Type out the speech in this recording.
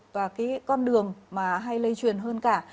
và cái con đường mà hay lây truyền hơn cả